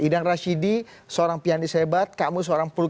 idang rashidi seorang pianis hebat kamu seorang perut